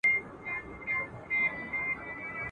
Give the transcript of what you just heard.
دواړه پرېوتل پر مځکه تاوېدله ..